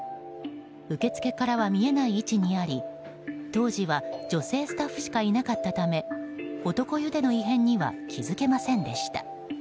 受付からは見えない位置にあり当時は女性スタッフしかいなかったため男湯での異変には気づけませんでした。